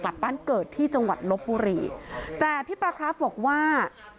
กลับบ้านเกิดที่จังหวัดลบบุรีแต่พี่ปลาคราฟบอกว่า